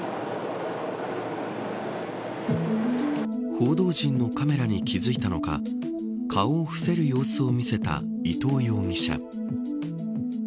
報道陣のカメラに気付いたのか顔を伏せる様子を見せた伊藤容疑者。